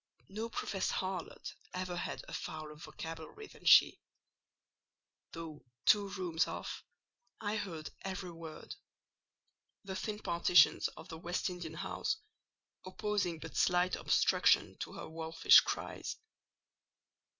—no professed harlot ever had a fouler vocabulary than she: though two rooms off, I heard every word—the thin partitions of the West India house opposing but slight obstruction to her wolfish cries.